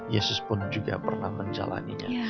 yesus pun juga pernah menjalannya